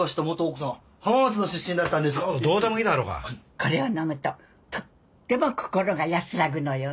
これを飲むととっても心が安らぐのよね。